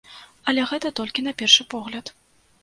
Але гэта толькі на першы погляд.